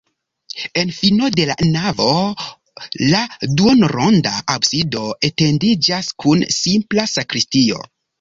En fino de la navo la duonronda absido etendiĝas kun simpla sakristio.